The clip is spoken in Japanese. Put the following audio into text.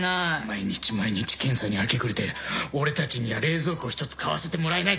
毎日毎日検査に明け暮れて俺たちには冷蔵庫一つ買わせてもらえないとはな。